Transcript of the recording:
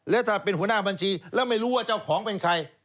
แล้วถ้าเป็นหัวหน้าบัญชีแล้วไม่รู้ว่าเจ้าของเป็นใคร